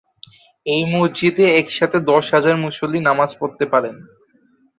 এই মসজিদে এক সাথে দশ হাজার মুসল্লি নামাজ পড়তে পারেন।